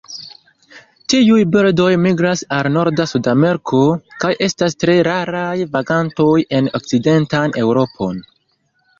Tiuj birdoj migras al norda Sudameriko, kaj estas tre raraj vagantoj en okcidentan Eŭropon.